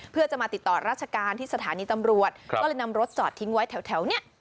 เพื่อจะมาติดต่อราชการที่สถานีตำรวจก็เลยนำรถจอดทิ้งไว้แถวนี้